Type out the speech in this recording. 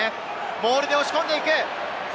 モールで押し込んでいく！